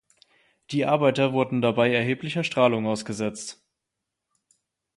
Die Arbeiter wurden dabei erheblicher Strahlung ausgesetzt.